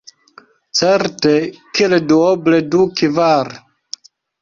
Certe, kiel duoble du kvar.